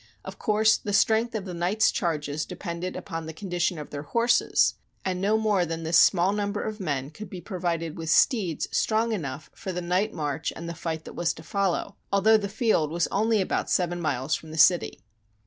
Of course the strength of the knights' charges de pended upon the condition of their horses; and no more than this small number of men could be provided with steeds strong enough for the night march and the fight that was to follow, although the field was only about seven miles from the city.